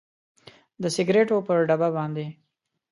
د سګریټو پر ډبه باندې